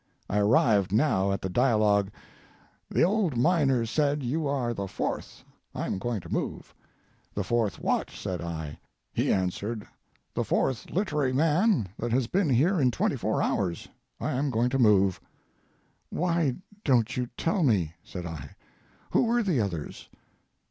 I arrived now at the dialogue: "The old miner said, 'You are the fourth, I'm going to move.' 'The fourth what?' said I. He answered, 'The fourth littery man that has been here in twenty four hours. I am going to move.' 'Why, you don't tell me;' said I. 'Who were the others?'